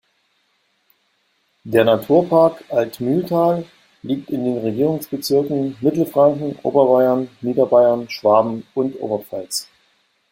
Der Naturpark Altmühltal liegt in den Regierungsbezirken Mittelfranken, Oberbayern, Niederbayern, Schwaben und Oberpfalz.